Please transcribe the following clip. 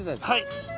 はい。